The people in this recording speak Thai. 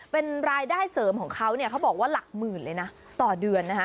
เป็นรายได้เสริมของเขาเนี่ยเขาบอกว่าหลักหมื่นเลยนะต่อเดือนนะคะ